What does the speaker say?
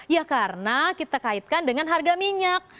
ya karena kita kaitkan dengan harga minyak